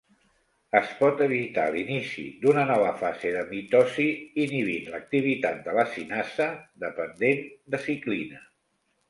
Es pot evitar l'inici d'una nova fase de mitosi inhibint l'activitat de la cinasa dependent de ciclina.